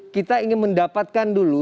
kita ingin mendapatkan dulu